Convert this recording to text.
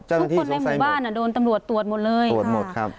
ทุกคนในหมู่บ้านโดนตำรวจตรวจหมดเลยตรวจหมดครับ